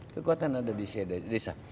kekuatan ada di desa